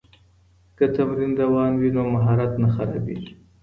که تمرین روان وي نو مهارت نه خرابېږي.